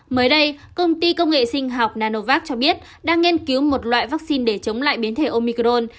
mới đây công ty công nghệ sinh học nanovac cho biết đang nghiên cứu một loại vaccine để chống lại biến thể omicron